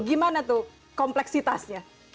gimana tuh kompleksitasnya